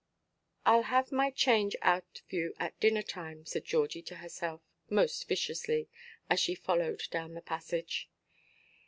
"Iʼll have my change out of you at dinner–time," said Georgie to herself most viciously, as she followed down the passage.